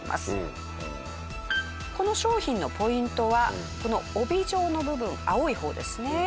この商品のポイントはこの帯状の部分青い方ですね。